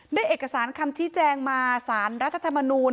ได้เอกสารคำชี้แจงมาสารรัฐธรรมนูล